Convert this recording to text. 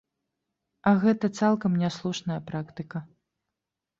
А гэта цалкам няслушная практыка.